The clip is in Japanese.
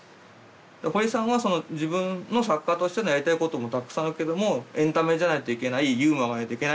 堀さんは自分の作家としてのやりたいこともたくさんあるけどもエンタメじゃないといけないユーモアがないといけない。